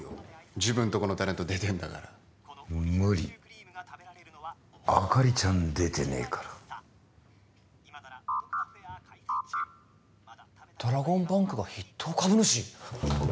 自分とこのタレント出てんだから無理あかりちゃん出てねえからドラゴンバンクが筆頭株主！？